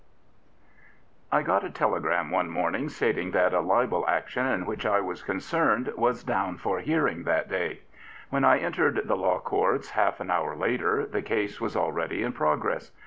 q. I GOT a telegram one morning stating that a libel action in which I was concerned was down for heanng that day. When I entered the Law Courts half an hour later, the case was already in progress.